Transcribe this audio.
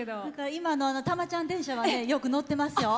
今の、たまちゃん電車はよく乗ってますよ。